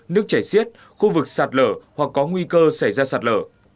nước chảy xiết khu vực sạt lở hoặc có nguy cơ xảy ra sạt lở